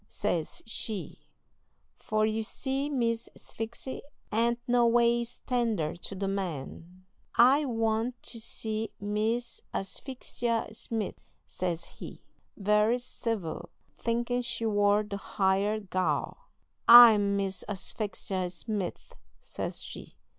says she; for, you see, Miss Sphyxy ain't no ways tender to the men. "'I want to see Miss Asphyxia Smith,' says he, very civil, thinking she war the hired gal. "'I'm Miss Asphyxia Smith,' says she.